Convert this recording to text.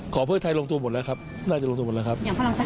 เพื่อไทยลงตัวหมดแล้วครับน่าจะลงตัวหมดแล้วครับ